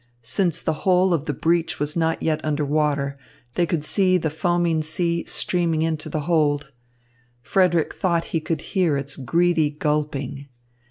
Since the whole of the breach was not yet under water, they could see the foaming sea streaming into the hold. Frederick thought he could hear its greedy gulping.